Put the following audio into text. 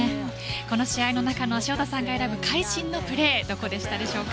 この試合の中の潮田さんが選ぶ会心のプレー、どこですか？